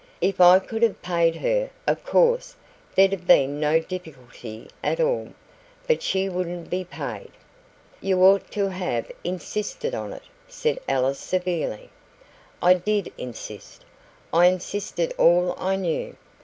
"If I could have paid her, of course there'd have been no difficulty at all. But she wouldn't be paid." "You ought to have insisted on it," said Alice severely. "I did insist. I insisted all I knew.